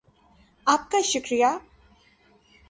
آپ کا شکریہ